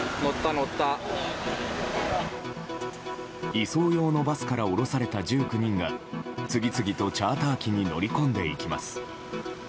移送用のバスから降ろされた１９人が次々とチャーター機に乗り込んでいきます。